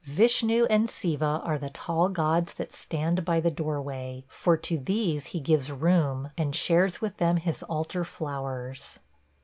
Vishnu and Siva are the tall gods that stand by the doorway, for to these he gives room and shares with them his altar flowers.